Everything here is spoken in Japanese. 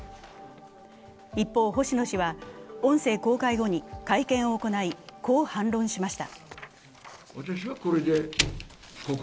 一方、星野氏は音声公開後に会見を行い、こう反論しました。